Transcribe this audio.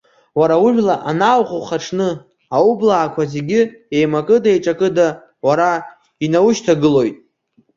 Уара ужәла анааухух аҽны, аублаақәа зегьы еимакыда-еиҿакыда уара инаушьҭагылоит!